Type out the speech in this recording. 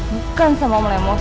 bukan sama om lemos